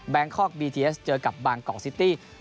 คอกบีทีเอสเจอกับบางกอกซิตี้